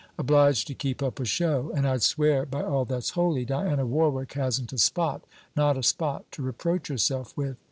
Obliged to keep up a show. And I'd swear, by all that's holy, Diana Warwick hasn't a spot, not a spot, to reproach herself with.